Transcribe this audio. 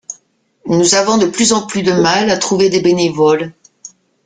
Nous avons de plus en plus de mal à trouver des bénévoles.